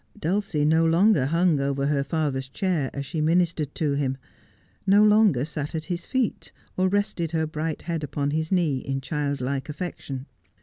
Dulcie no longer hung over her father's chair as she ministered to him — no longer sat at his feet, or rested her bright head upon his knee, in childlike affection.